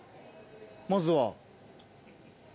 まずは。